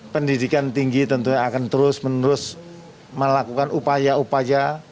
pendidikan tinggi tentunya akan terus menerus melakukan upaya upaya